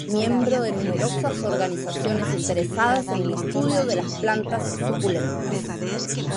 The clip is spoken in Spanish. Miembro de numerosas organizaciones interesadas en el estudio de las plantas suculentas.